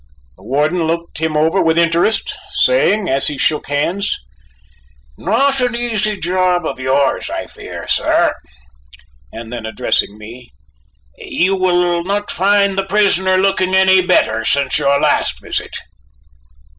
The warden looked him over with interest, saying as he shook hands: "Not an easy job of yours, I fear, sir"; and then addressing me: "You will not find the prisoner looking any better since your last visit."